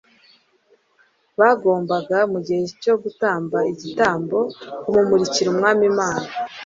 bagombaga mu gihe cyo gutamba igitambo, kumumurikira Umwami Imana'.